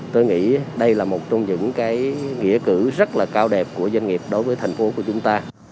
tôi nghĩ đây là một trong những cái nghĩa cử rất là cao đẹp của doanh nghiệp đối với thành phố của chúng ta